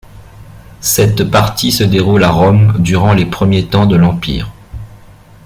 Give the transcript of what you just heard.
Cette partie se déroule à Rome durant les premiers temps de l'Empire.